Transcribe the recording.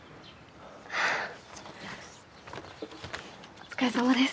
お疲れさまです。